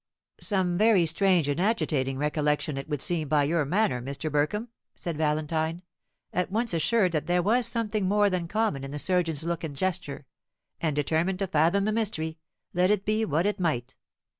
"Some very strange and agitating recollection it would seem by your manner, Mr. Burkham," said Valentine, at once assured that there was something more than common in the surgeon's look and gesture; and determined to fathom the mystery, let it be what it might.